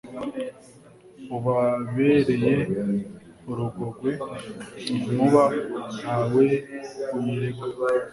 Ubabereye urugogwe Inkuba nta we uyirega